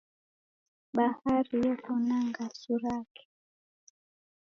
Bahari yeko na ngasu rake